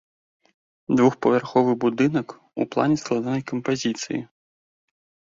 Двухпавярховы будынак, у плане складанай кампазіцыі.